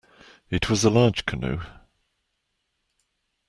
It was a large canoe.